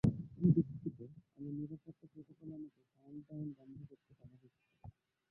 আমি দুঃখিত, আমার নিরাপত্তা প্রোটোকল আমাকে কাউন্টডাউন বন্ধ করতে বাধা দিচ্ছে।